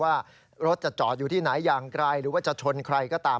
ว่ารถจะจอดอยู่ที่ไหนอย่างไกลหรือว่าจะชนใครก็ตาม